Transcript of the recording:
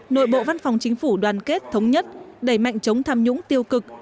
nội bộ văn phòng chính phủ đoàn kết thống nhất đẩy mạnh chống tham nhũng tiêu cực